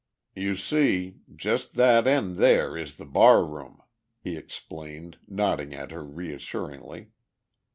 "You see ... just that end there is the bar room," he explained nodding at her reassuringly.